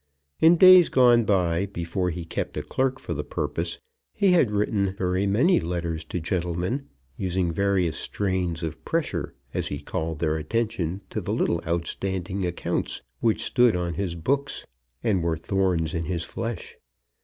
In days gone by, before he kept a clerk for the purpose, he had written very many letters to gentlemen, using various strains of pressure as he called their attention to the little outstanding accounts which stood on his books and were thorns in his flesh.